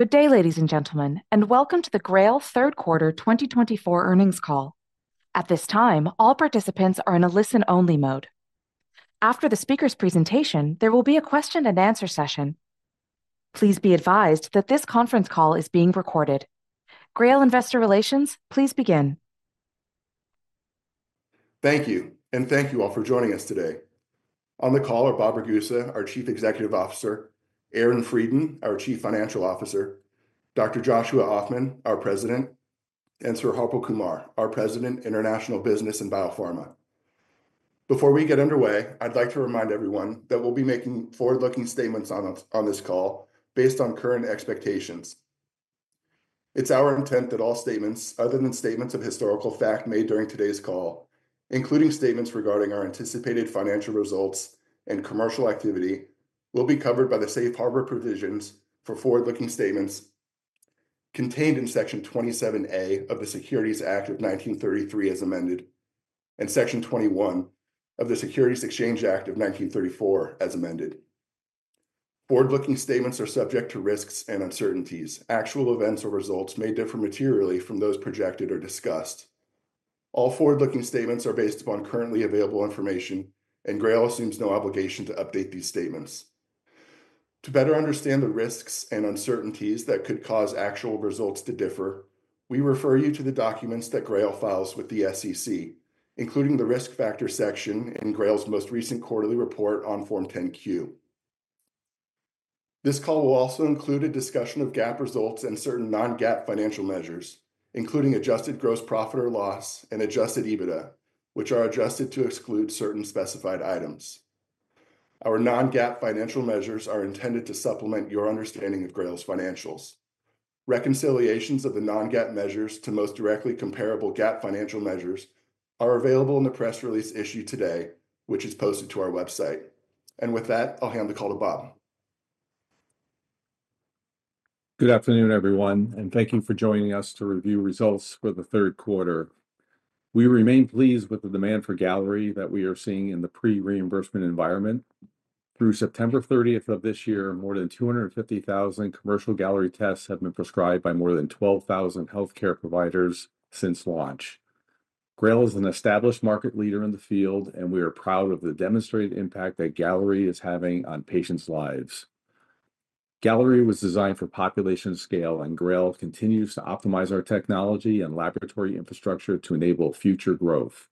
Good day, ladies and gentlemen, and welcome to the GRAIL Q3 2024 earnings call. At this time, all participants are in a listen-only mode. After the speaker's presentation, there will be a question-and-answer session. Please be advised that this conference call is being recorded. GRAIL Investor Relations, please begin. Thank you, and thank you all for joining us today. On the call are Bob Ragusa, our Chief Executive Officer, Aaron Freidin, our Chief Financial Officer, Dr. Joshua Ofman, our President, and Sir Harpal Kumar, our President, International Business and Biopharma. Before we get underway, I'd like to remind everyone that we'll be making forward-looking statements on this call based on current expectations. It's our intent that all statements, other than statements of historical fact made during today's call, including statements regarding our anticipated financial results and commercial activity, will be covered by the Safe Harbor Provisions for forward-looking statements contained in Section 27A of the Securities Act of 1933, as amended, and Section 21 of the Securities Exchange Act of 1934, as amended. Forward-looking statements are subject to risks and uncertainties. Actual events or results may differ materially from those projected or discussed. All forward-looking statements are based upon currently available information, and GRAIL assumes no obligation to update these statements. To better understand the risks and uncertainties that could cause actual results to differ, we refer you to the documents that GRAIL files with the SEC, including the Risk Factor section in GRAIL's most recent quarterly report on Form 10-Q. This call will also include a discussion of GAAP results and certain non-GAAP financial measures, including adjusted gross profit or loss and adjusted EBITDA, which are adjusted to exclude certain specified items. Our non-GAAP financial measures are intended to supplement your understanding of GRAIL's financials. Reconciliations of the non-GAAP measures to most directly comparable GAAP financial measures are available in the press release issued today, which is posted to our website. And with that, I'll hand the call to Bob. Good afternoon, everyone, and thank you for joining us to review results for the Q3. We remain pleased with the demand for Galleri that we are seeing in the pre-reimbursement environment. Through September 30 of this year, more than 250,000 commercial Galleri tests have been prescribed by more than 12,000 healthcare providers since launch. GRAIL is an established market leader in the field, and we are proud of the demonstrated impact that Galleri is having on patients' lives. Galleri was designed for population scale, and GRAIL continues to optimize our technology and laboratory infrastructure to enable future growth.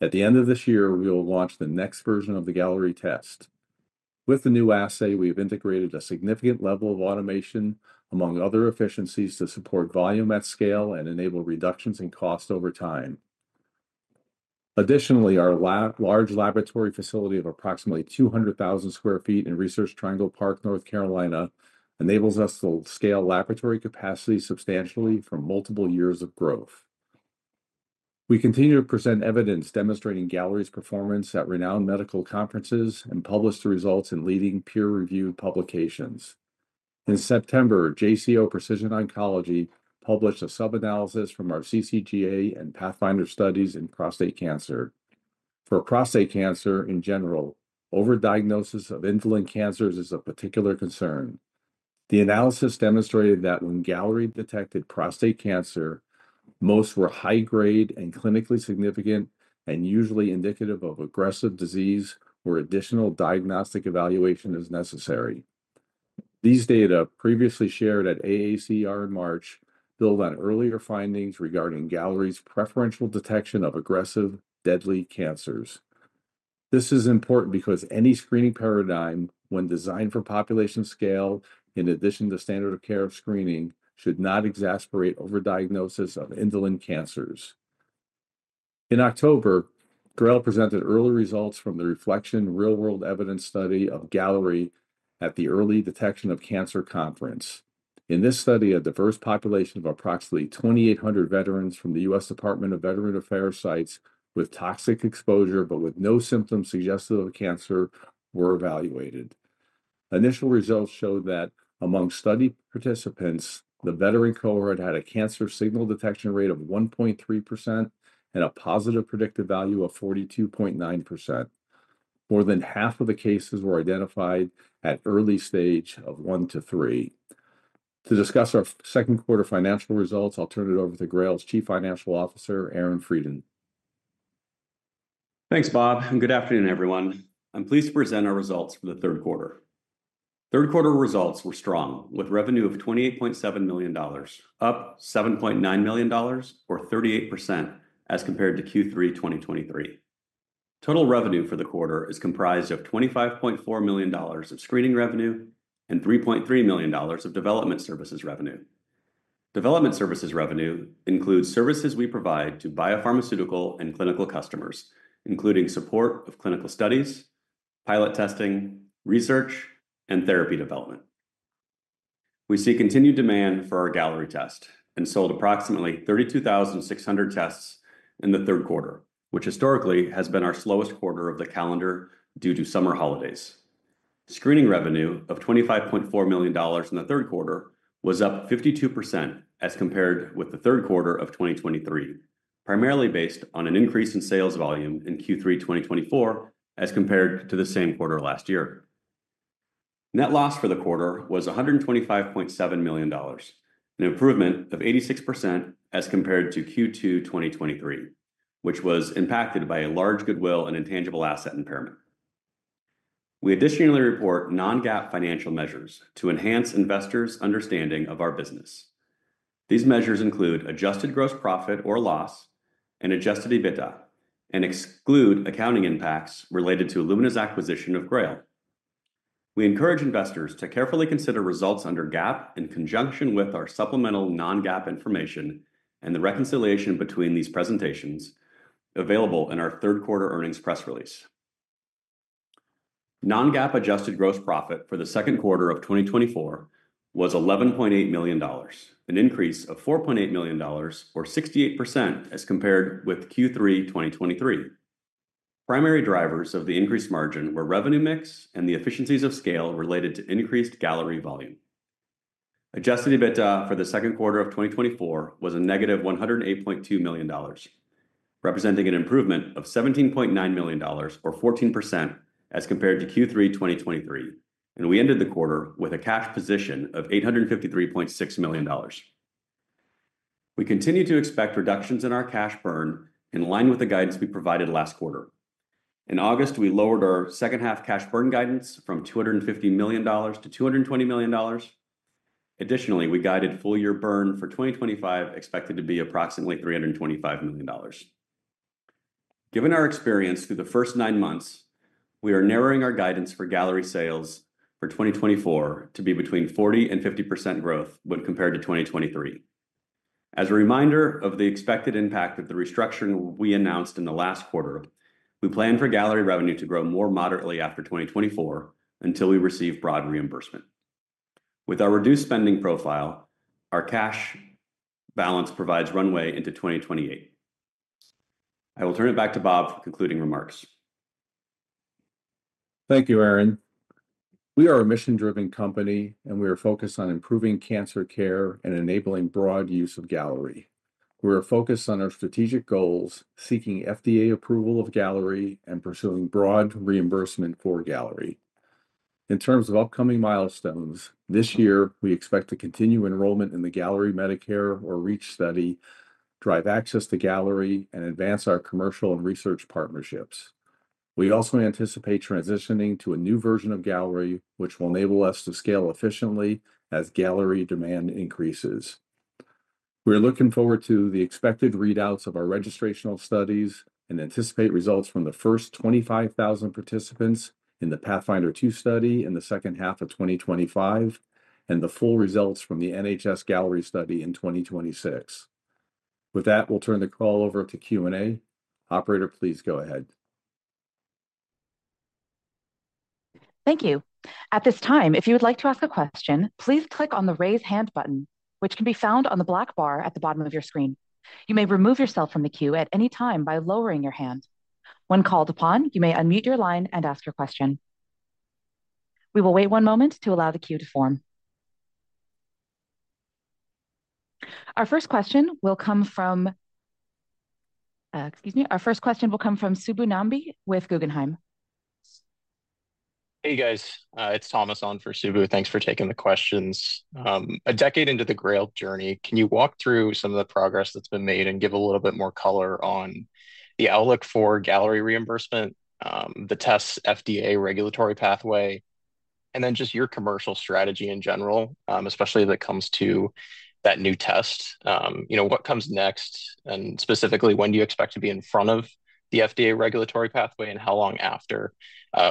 At the end of this year, we will launch the next version of the Galleri test. With the new assay, we have integrated a significant level of automation, among other efficiencies, to support volume at scale and enable reductions in cost over time. Additionally, our large laboratory facility of approximately 200,000 sq ft in Research Triangle Park, North Carolina, enables us to scale laboratory capacity substantially for multiple years of growth. We continue to present evidence demonstrating Galleri's performance at renowned medical conferences and publish the results in leading peer-reviewed publications. In September, JCO Precision Oncology published a sub-analysis from our CCGA and Pathfinder studies in prostate cancer. For prostate cancer in general, overdiagnosis of indolent cancers is a particular concern. The analysis demonstrated that when Galleri detected prostate cancer, most were high-grade and clinically significant and usually indicative of aggressive disease where additional diagnostic evaluation is necessary. These data, previously shared at AACR in March, build on earlier findings regarding Galleri's preferential detection of aggressive, deadly cancers. This is important because any screening paradigm, when designed for population scale, in addition to standard of care of screening, should not exacerbate overdiagnosis of indolent cancers. In October, GRAIL presented early results from the Reflection Real-World Evidence Study of Galleri at the Early Detection of Cancer Conference. In this study, a diverse population of approximately 2,800 veterans from the U.S. Department of Veterans Affairs sites with toxic exposure but with no symptoms suggestive of cancer were evaluated. Initial results showed that among study participants, the veteran cohort had a cancer signal detection rate of 1.3% and a positive predictive value of 42.9%. More than half of the cases were identified at early stage of 1 to 3. To discuss our Q2 financial results, I'll turn it over to GRAIL's Chief Financial Officer, Aaron Freidin. Thanks, Bob, and good afternoon, everyone. I'm pleased to present our results for the Q3. Q3 results were strong, with revenue of $28.7 million, up $7.9 million, or 38%, as compared to Q3 2023. Total revenue for the quarter is comprised of $25.4 million of screening revenue and $3.3 million of development services revenue. Development services revenue includes services we provide to biopharmaceutical and clinical customers, including support of clinical studies, pilot testing, research, and therapy development. We see continued demand for our Galleri test and sold approximately 32,600 tests in the Q3, which historically has been our slowest quarter of the calendar due to summer holidays. Screening revenue of $25.4 million in the Q3 was up 52% as compared with the Q3 of 2023, primarily based on an increase in sales volume in Q3 2024 as compared to the same quarter last year. Net loss for the quarter was $125.7 million, an improvement of 86% as compared to Q2 2023, which was impacted by a large goodwill and intangible asset impairment. We additionally report non-GAAP financial measures to enhance investors' understanding of our business. These measures include Adjusted gross profit or loss and Adjusted EBITDA, and exclude accounting impacts related to Illumina's acquisition of GRAIL. We encourage investors to carefully consider results under GAAP in conjunction with our supplemental non-GAAP information and the reconciliation between these presentations available in our Q3 earnings press release. Non-GAAP Adjusted gross profit for the Q2 of 2024 was $11.8 million, an increase of $4.8 million, or 68%, as compared with Q3 2023. Primary drivers of the increased margin were revenue mix and the efficiencies of scale related to increased Galleri volume. Adjusted EBITDA for the Q2 of 2024 was a negative $108.2 million, representing an improvement of $17.9 million, or 14%, as compared to Q3 2023, and we ended the quarter with a cash position of $853.6 million. We continue to expect reductions in our cash burn in line with the guidance we provided last quarter. In August, we lowered our second-half cash burn guidance from $250 million to $220 million. Additionally, we guided full-year burn for 2025 expected to be approximately $325 million. Given our experience through the first nine months, we are narrowing our guidance for Galleri sales for 2024 to be between 40% and 50% growth when compared to 2023. As a reminder of the expected impact of the restructuring we announced in the last quarter, we plan for Galleri revenue to grow more moderately after 2024 until we receive broad reimbursement. With our reduced spending profile, our cash balance provides runway into 2028. I will turn it back to Bob for concluding remarks. Thank you, Aaron. We are a mission-driven company, and we are focused on improving cancer care and enabling broad use of Galleri. We are focused on our strategic goals, seeking FDA approval of Galleri and pursuing broad reimbursement for Galleri. In terms of upcoming milestones, this year, we expect to continue enrollment in the Galleri Medicare or REACH study, drive access to Galleri, and advance our commercial and research partnerships. We also anticipate transitioning to a new version of Galleri, which will enable us to scale efficiently as Galleri demand increases. We are looking forward to the expected readouts of our registrational studies and anticipate results from the first 25,000 participants in the Pathfinder II study in the second half of 2025 and the full results from the NHS-Galleri study in 2026. With that, we'll turn the call over to Q&A. Operator, please go ahead. Thank you. At this time, if you would like to ask a question, please click on the Raise Hand button, which can be found on the black bar at the bottom of your screen. You may remove yourself from the queue at any time by lowering your hand. When called upon, you may unmute your line and ask your question. We will wait one moment to allow the queue to form. Our first question will come from, excuse me, our first question will come from Subbu Nambi with Guggenheim. Hey, guys. It's Thomas on for Subbu. Thanks for taking the questions. A decade into the GRAIL journey, can you walk through some of the progress that's been made and give a little bit more color on the outlook for Galleri reimbursement, the test's FDA regulatory pathway, and then just your commercial strategy in general, especially as it comes to that new test? You know, what comes next, and specifically, when do you expect to be in front of the FDA regulatory pathway, and how long after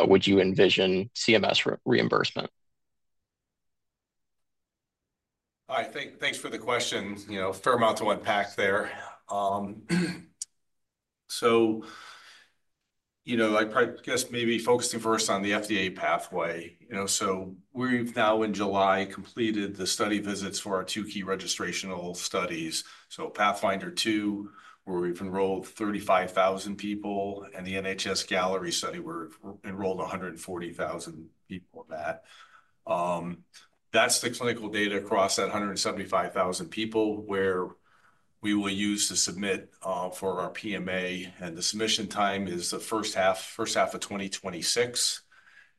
would you envision CMS reimbursement? Hi, thanks for the question. You know, fair amount of unpacked there, so you know, I guess maybe focusing first on the FDA pathway. You know, so we've now, in July, completed the study visits for our two key registrational studies, so Pathfinder II, where we've enrolled 35,000 people, and the NHS-Galleri study, where we've enrolled 140,000 people in that. That's the clinical data across that 175,000 people where we will use to submit for our PMA, and the submission time is the first half of 2026,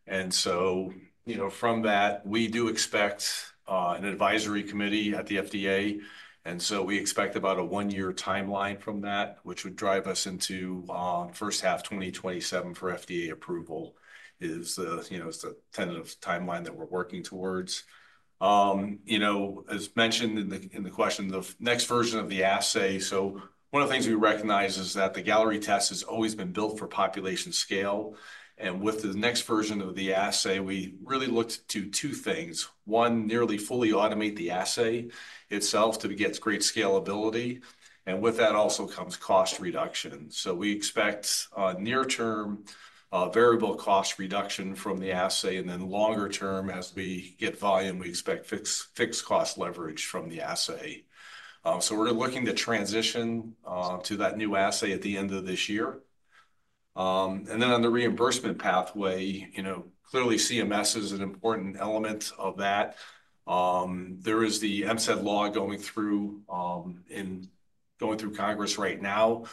and so you know, from that, we do expect an advisory committee at the FDA, and so we expect about a one-year timeline from that, which would drive us into first half 2027 for FDA approval is the, you know, it's the tentative timeline that we're working towards. You know, as mentioned in the question, the next version of the assay, so one of the things we recognize is that the Galleri test has always been built for population scale, and with the next version of the assay, we really look to two things. One, nearly fully automate the assay itself to get great scalability, and with that also comes cost reduction. So, we expect near-term variable cost reduction from the assay, and then longer term, as we get volume, we expect fixed cost leverage from the assay. So, we're looking to transition to that new assay at the end of this year. And then on the reimbursement pathway, you know, clearly CMS is an important element of that. There is the MCED law going through Congress right now.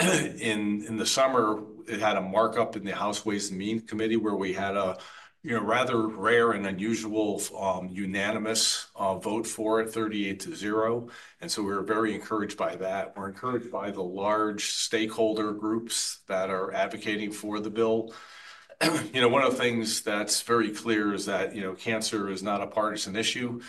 In the summer, it had a markup in the House Ways and Means Committee where we had a, you know, rather rare and unusual unanimous vote for it, 38 to 0, and so we were very encouraged by that. We're encouraged by the large stakeholder groups that are advocating for the bill. You know, one of the things that's very clear is that, you know, cancer is not a partisan issue,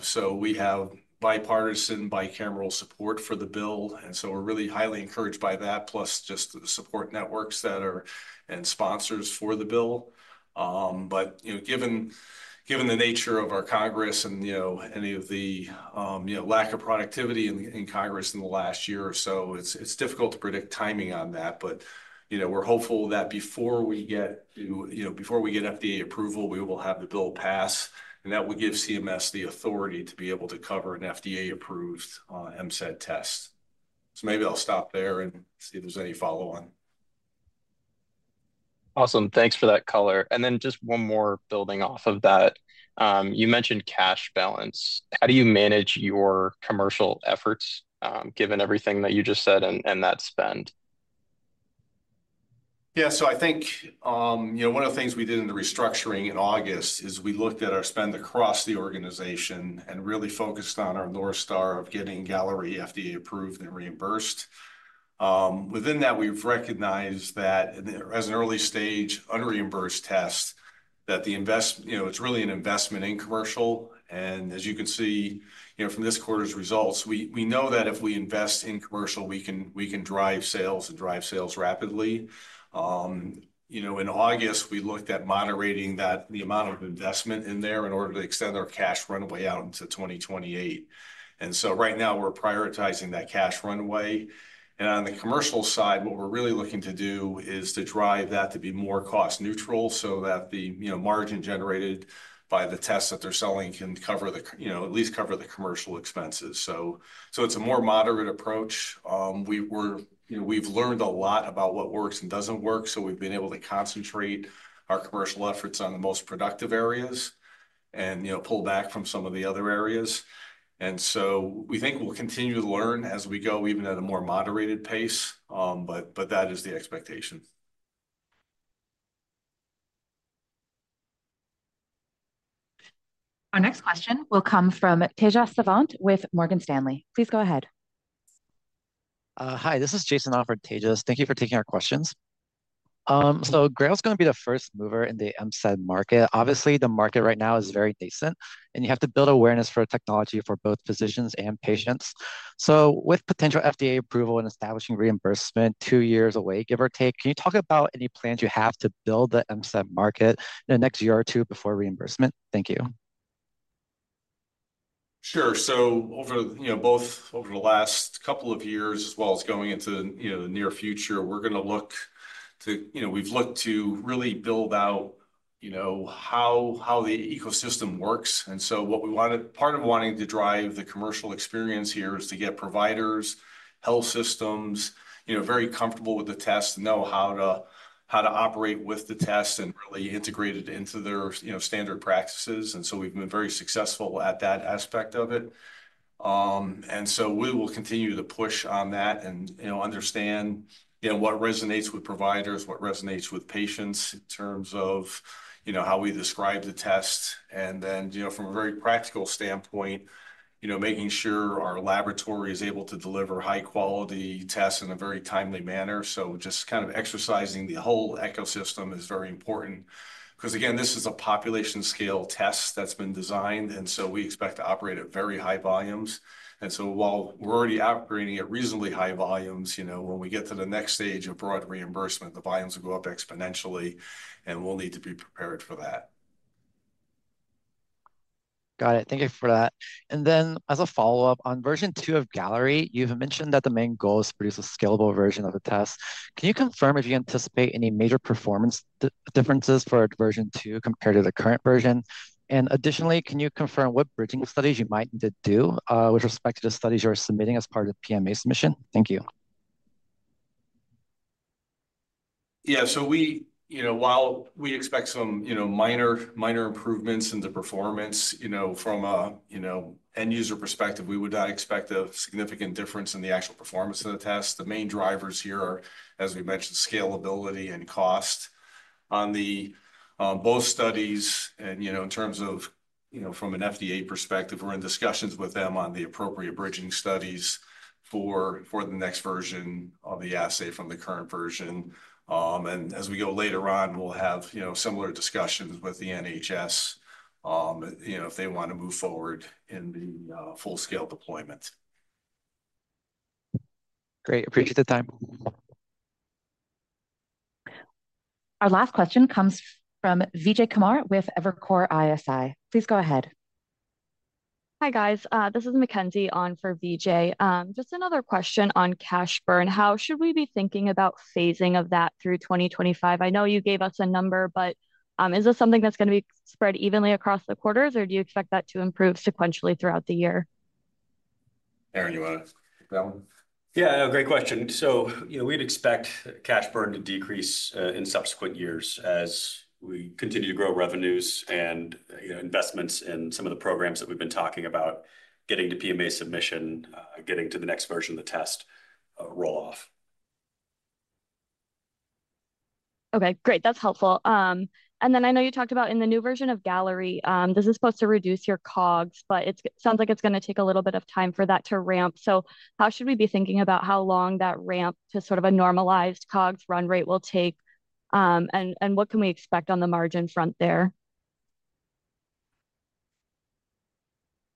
so we have bipartisan, bicameral support for the bill, and so we're really highly encouraged by that, plus just the support networks that are and sponsors for the bill. But, you know, given the nature of our Congress and, you know, any of the, you know, lack of productivity in Congress in the last year or so, it's difficult to predict timing on that, but, you know, we're hopeful that before we get to, you know, before we get FDA approval, we will have the bill pass, and that will give CMS the authority to be able to cover an FDA-approved MCED test. So, maybe I'll stop there and see if there's any follow-on. Awesome. Thanks for that color. And then just one more building off of that. You mentioned cash balance. How do you manage your commercial efforts, given everything that you just said and that spend? Yeah, so I think, you know, one of the things we did in the restructuring in August is we looked at our spend across the organization and really focused on our North Star of getting Galleri FDA-approved and reimbursed. Within that, we've recognized that, as an early stage, unreimbursed test, that the invest, you know, it's really an investment in commercial, and as you can see, you know, from this quarter's results, we know that if we invest in commercial, we can drive sales and drive sales rapidly. You know, in August, we looked at moderating the amount of investment in there in order to extend our cash runway out into 2028. And so, right now, we're prioritizing that cash runway. On the commercial side, what we're really looking to do is to drive that to be more cost-neutral so that the, you know, margin generated by the tests that they're selling can cover the, you know, at least cover the commercial expenses. So, it's a more moderate approach. We've, you know, learned a lot about what works and doesn't work, so we've been able to concentrate our commercial efforts on the most productive areas and, you know, pull back from some of the other areas. So, we think we'll continue to learn as we go, even at a more moderated pace, but that is the expectation. Our next question will come from Tejas Savant with Morgan Stanley. Please go ahead. Hi, this is Joshua Ofman, Tejas. Thank you for taking our questions. So, GRAIL is going to be the first mover in the MCED market. Obviously, the market right now is very nascent, and you have to build awareness for technology for both physicians and patients. So, with potential FDA approval and establishing reimbursement two years away, give or take, can you talk about any plans you have to build the MCED market in the next year or two before reimbursement? Thank you. Sure, so over, you know, both over the last couple of years, as well as going into, you know, the near future, we're going to look to, you know, we've looked to really build out, you know, how the ecosystem works, and so what we wanted, part of wanting to drive the commercial experience here is to get providers, health systems, you know, very comfortable with the test and know how to operate with the test and really integrate it into their, you know, standard practices, and so we've been very successful at that aspect of it, and so we will continue to push on that and, you know, understand, you know, what resonates with providers, what resonates with patients in terms of, you know, how we describe the test. And then, you know, from a very practical standpoint, you know, making sure our laboratory is able to deliver high-quality tests in a very timely manner. So, just kind of exercising the whole ecosystem is very important because, again, this is a population-scale test that's been designed, and so we expect to operate at very high volumes. And so, while we're already operating at reasonably high volumes, you know, when we get to the next stage of broad reimbursement, the volumes will go up exponentially, and we'll need to be prepared for that. Got it. Thank you for that. And then, as a follow-up on version two of Galleri, you've mentioned that the main goal is to produce a scalable version of the test. Can you confirm if you anticipate any major performance differences for version two compared to the current version? And additionally, can you confirm what bridging studies you might need to do with respect to the studies you're submitting as part of the PMA submission? Thank you. Yeah, so we, you know, while we expect some, you know, minor improvements in the performance, you know, from a, you know, end-user perspective, we would not expect a significant difference in the actual performance of the test. The main drivers here are, as we mentioned, scalability and cost. On both studies, and, you know, in terms of, you know, from an FDA perspective, we're in discussions with them on the appropriate bridging studies for the next version of the assay from the current version. And as we go later on, we'll have, you know, similar discussions with the NHS, you know, if they want to move forward in the full-scale deployment. Great. Appreciate the time. Our last question comes from Vijay Kumar with Evercore ISI. Please go ahead. Hi, guys. This is Mackenzie on for Vijay. Just another question on cash burn. How should we be thinking about phasing of that through 2025? I know you gave us a number, but is this something that's going to be spread evenly across the quarters, or do you expect that to improve sequentially throughout the year? Aaron, you want to take that one? Yeah, great question. So, you know, we'd expect cash burn to decrease in subsequent years as we continue to grow revenues and, you know, investments in some of the programs that we've been talking about, getting to PMA submission, getting to the next version of the test rollout. Okay, great. That's helpful. And then I know you talked about in the new version of Galleri, this is supposed to reduce your COGS, but it sounds like it's going to take a little bit of time for that to ramp. So, how should we be thinking about how long that ramp to sort of a normalized COGS run rate will take, and what can we expect on the margin front there?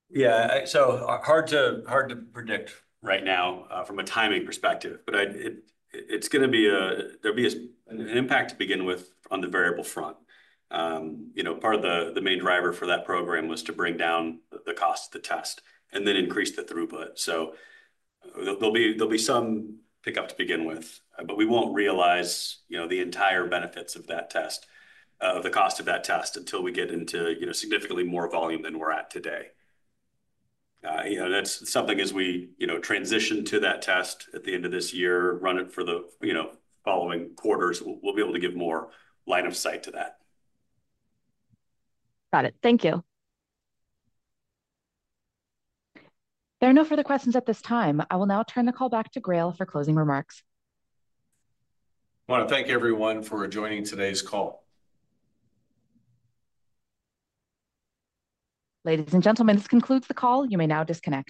Yeah, so hard to predict right now from a timing perspective, but it's going to be a, there'll be an impact to begin with on the variable front. You know, part of the main driver for that program was to bring down the cost of the test and then increase the throughput. So, there'll be some pickup to begin with, but we won't realize, you know, the entire benefits of that test, of the cost of that test until we get into, you know, significantly more volume than we're at today. You know, that's something as we, you know, transition to that test at the end of this year, run it for the, you know, following quarters, we'll be able to give more line of sight to that. Got it. Thank you. There are no further questions at this time. I will now turn the call back to GRAIL for closing remarks. I want to thank everyone for joining today's call. Ladies and gentlemen, this concludes the call. You may now disconnect.